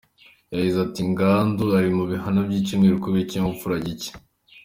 Yagize ati “Ngandu ari mu bihano by’icyumweru kubera ikinyabupfura gike.